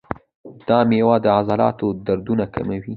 دا میوه د عضلاتو دردونه کموي.